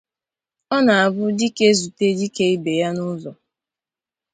Ọ na-abụ dike zute dike ibe ya n'ụzọ